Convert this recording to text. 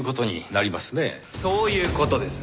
そういう事です。